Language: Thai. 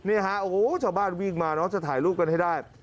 โอ้โฮชาวบ้านวิ่งมาจะถ่ายรูปกันให้ได้